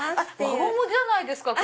輪ゴムじゃないですか。